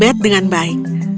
beth dengan baik